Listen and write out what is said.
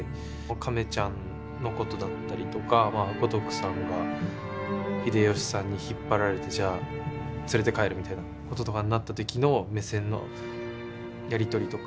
亀ちゃんのことだったりとか五徳さんが秀吉さんに引っ張られて、じゃあ連れて帰るみたいなこととかになった時の目線のやり取りとか。